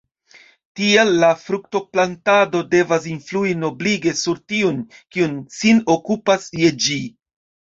Tial la fruktoplantado devas influi noblige sur tiujn, kiuj sin okupas je ĝi.